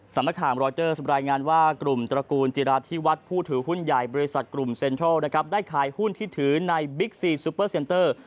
สำนักฐานรอยเตอร์สบายงานว่ากลุ่มตระกูลจิรัตน์ที่วัดผู้ถือหุ้นใหญ่บริษัทกลุ่มเซ็นเทิลได้ขายหุ้นที่ถือในบิ๊กซีซูเปอร์เซ็นเตอร์